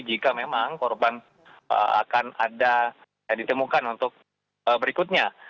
jika memang korban akan ada ditemukan untuk berikutnya